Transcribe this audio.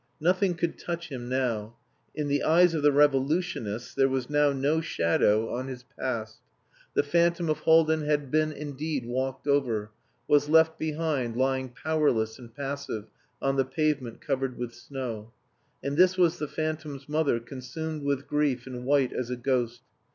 Nothing could touch him now; in the eyes of the revolutionists there was now no shadow on his past. The phantom of Haldin had been indeed walked over, was left behind lying powerless and passive on the pavement covered with snow. And this was the phantom's mother consumed with grief and white as a ghost.